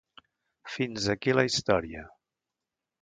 Fins aquí la història.